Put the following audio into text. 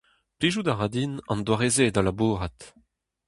Plijout a ra din an doare-se da labourat.